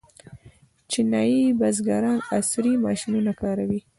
چینايي بزګران عصري ماشینونه کاروي.